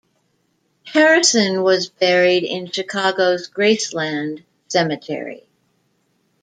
Harrison was buried in Chicago's Graceland Cemetery.